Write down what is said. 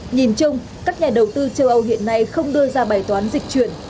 nhìn chung các nhà đầu tư châu âu hiện nay không đưa ra bài toán dịch chuyển